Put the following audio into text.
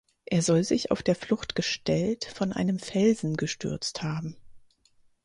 Er soll sich auf der Flucht gestellt von einem Felsen gestürzt haben.